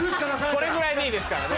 これぐらいでいいですからね。